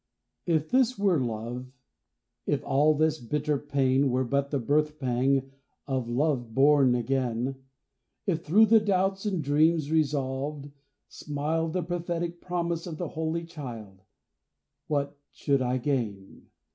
If this were Love, if all this bitter pain Were but the birth pang of Love born again, If through the doubts and dreams resolved, smiled The prophetic promise of the holy child, What should I gain?